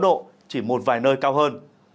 ba mươi sáu độ chỉ một vài nơi cao hơn